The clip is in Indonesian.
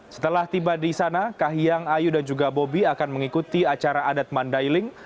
setelah tiba di sana kahiyang ayu dan juga bobi akan mengikuti acara adat mandailing